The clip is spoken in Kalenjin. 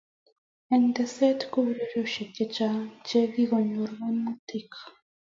eng teset ko urerioshiek chechang che kokonyor kaimutiet